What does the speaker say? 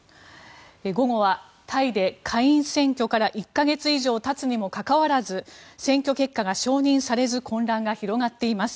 午後は、タイで下院選挙から１か月以上たつにもかかわらず選挙結果が承認されず混乱が広がっています。